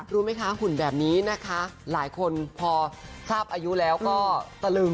รู้ไหมคะหุ่นแบบนี้นะคะหลายคนพอทราบอายุแล้วก็ตะลึง